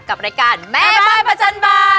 กับรายการแม่บ้านประจันบาล